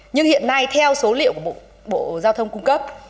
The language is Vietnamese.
nhưng hiện nay theo số liệu của bộ giao thông cung cấp